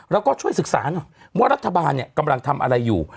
แล้วก็ช่วยศึกษาหน่อยว่ารัฐบาลกำลังทำอะไรอยู่